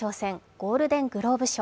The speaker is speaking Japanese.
ゴールデン・グローブ賞。